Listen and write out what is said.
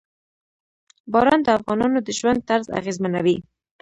باران د افغانانو د ژوند طرز اغېزمنوي.